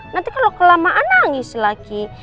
nanti kalau kelamaan nangis lagi